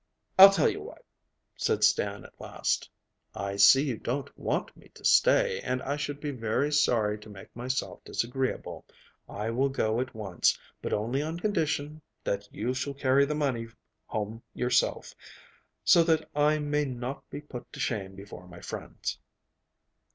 'I'll tell you what!' said Stan at last. 'I see you don't want me to stay, and I should be very sorry to make myself disagreeable. I will go at once, but only on condition that you shall carry the money home yourself, so that I may not be put to shame before my friends.